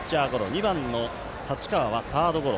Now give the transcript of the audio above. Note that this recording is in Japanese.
２番の太刀川はショートゴロ。